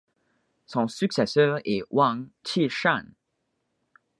Son successeur est Wang Qishan.